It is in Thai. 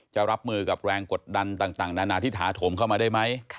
รับมือกับแรงกดดันต่างนานาที่ถาโถมเข้ามาได้ไหม